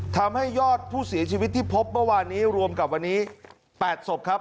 ทำให้ยอดผู้เสียชีวิตที่พบเมื่อวานนี้รวมกับวันนี้๘ศพครับ